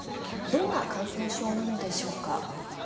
どんな感染症なのでしょうか。